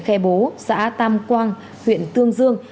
khe bố xã tam quang huyện tương dương